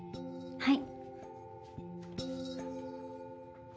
はい。